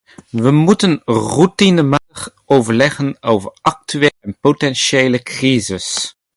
We moeten routinematig overleggen over actuele en potentiële crises.